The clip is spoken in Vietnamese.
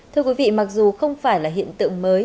thưa quý vị mặc dù không phải là hiện tượng mới